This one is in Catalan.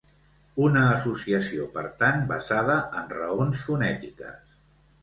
Una associació, per tant, basada en raons fonètiques.